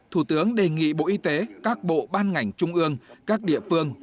thủ tướng đề nghị bộ y tế các bộ ban ngành trung ương các địa phương